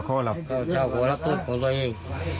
พระเจ้าขอรับโทษของตัวเอง